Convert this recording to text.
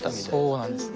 そうなんです。